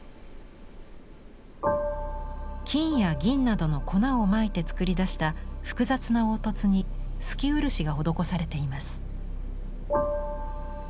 金や銀などの粉をまいて作りだした複雑な凹凸に透き漆が施されています。